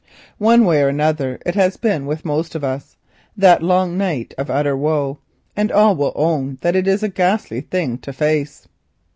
One way or another it has been with most of us, that long night of utter woe, and all will own that it is a ghastly thing to face.